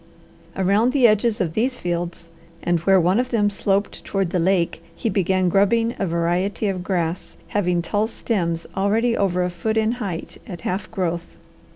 Around the edges of these fields, and where one of them sloped toward the lake, he began grubbing a variety of grass having tall stems already over a foot in height at half growth.